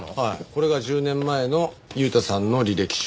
これが１０年前の悠太さんの履歴書。